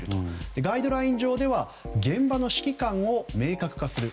ガイドライン上では現場の指揮官を明確化する。